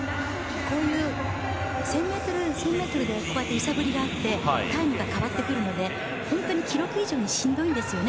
こういうふうに１０００ｍ、１０００ｍで揺さぶりがあってタイムが変わってくるので記録以上にしんどいんですよね。